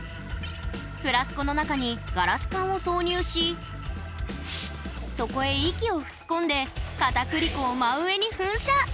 フラスコの中にガラス管を挿入しそこへ息を吹き込んで片栗粉を真上に噴射。